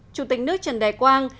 chủ tịch nước trần đại quang